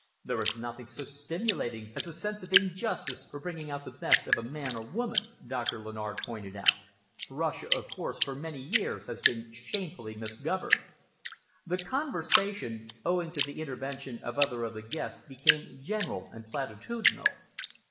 "There is nothing so stimulating as a sense of injustice for bringing the best out of a man or woman," Doctor Lennard pointed out. "Russia, of course, for many years has been shamefully misgoverned." The conversation, owing to the intervention of other of the guests, became general and platitudinal.